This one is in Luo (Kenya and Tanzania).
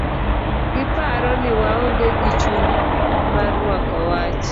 Giparo ni waonge gi chuny marwako wach.